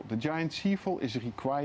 pembangunan laut besar diperlukan